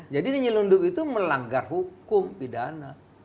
jadi nyelundup itu melanggar hukum pidana